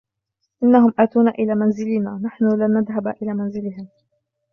إنهم أتون إلي منزلنا, نحن لن نذهب إلي منزلهم.